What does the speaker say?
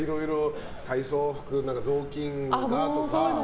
体操服、雑巾がとか。